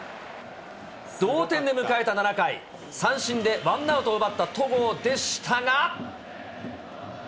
同点で迎えた７回、三振でワンアウトを奪った戸郷でしたが。